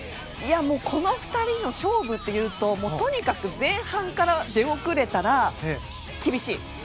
この２人の勝負というととにかく前半から出遅れたら厳しい。